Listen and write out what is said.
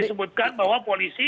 bahwa ini bisa dilakukan oleh polisi